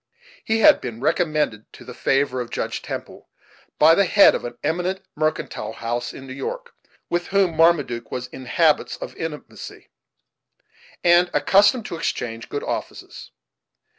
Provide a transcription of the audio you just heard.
He had been recommended to the favor of Judge Temple by the head of an eminent mercantile house in New York, with whom Marmaduke was in habits of intimacy, and accustomed to exchange good offices.